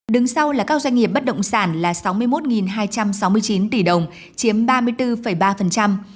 đứng sau là các doanh nghiệp bất động sản là sáu mươi một hai trăm sáu mươi chín tỷ đồng chiếm ba mươi bốn ba